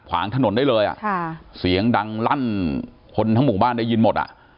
ขวางถนนได้เลยอ่ะค่ะเสียงดังลั่นคนทั้งหมู่บ้านได้ยินหมดอ่ะ